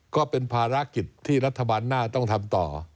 ก็เป็นภารกิจที่รัฐบาลหน้าต้องทำต่อ